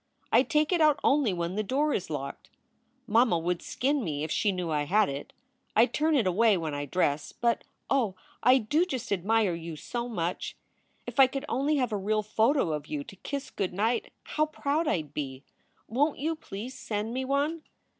I take it out only when the door is locked. Mamma would skin me if she knew I had it. I turn it away when I dress, but, oh, I do just admire you so much. If I could only have a real photo of you to kiss good night how proud I d be. Won t you please send me one?